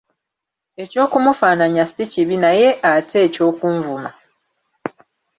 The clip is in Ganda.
Eky’okumunfaananya si kibi naye ate eky'okunvuma.